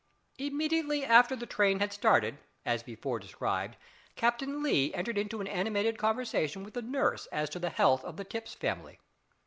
Immediately after the train had started, as before described, Captain Lee entered into an animated conversation with the nurse as to the health of the Tipps family.